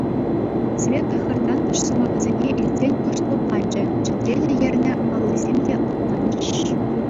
Света хӗр тантӑш сӑмахӗсене илтсен кӑшт лӑпланчӗ, чӗтрене ернӗ аллисем те лӑпланчӗҫ.